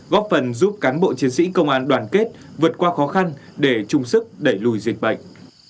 góp phần giúp cán bộ chiến sĩ công an đoàn kết vượt qua khó khăn để chung sức đẩy lùi dịch bệnh